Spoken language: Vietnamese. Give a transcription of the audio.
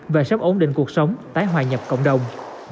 và sắp ổn định cuộc sống tái hoài nhập cộng đồng